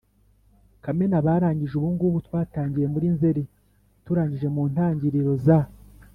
kamena.abarangije ubungubu, twatangiye muri nzeli turangije mu ntangiriro za